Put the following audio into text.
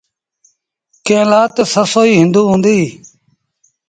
ڪݩهݩ لآ تا سسئي هُݩدو هُݩديٚ۔